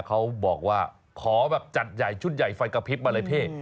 เขาบอกว่าขอแบบจัดใหญ่ชุดใหญ่ไฟกระพริบมาเลยพี่